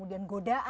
menenangkan diri kita